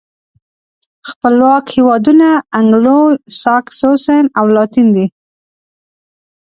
خپلواک هېوادونه انګلو ساکسوسن او لاتین دي.